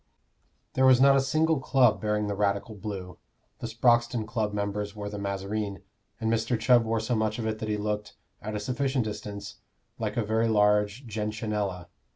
There was not a single club bearing the Radical blue: the Sproxton Club members wore the mazarine, and Mr. Chubb wore so much of it that he looked (at a sufficient distance) like a very large gentianella.